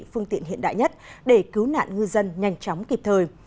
phương tiện hiện đại nhất để cứu nạn ngư dân nhanh chóng kịp thời